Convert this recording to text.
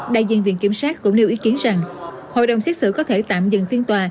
đại diện viện kiểm sát cũng nêu ý kiến rằng hội đồng xét xử có thể tạm dừng phiên tòa